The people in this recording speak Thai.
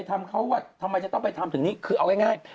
ทำไมจะต้องไปทำถึงนี้คือเอาง่าย